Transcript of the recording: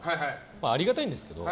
ありがたいんですけど。